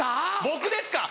僕ですか？